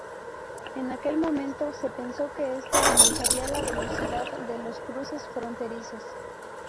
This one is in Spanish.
En aquel momento se pensó que esto aumentaría la velocidad de los cruces fronterizos.